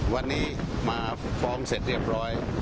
วันนี้มาฟ้องเสร็จเรียบร้อย